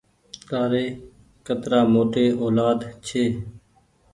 تآري ڪترآ موٽي اولآد ڇي۔